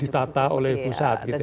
ditata oleh pusat gitu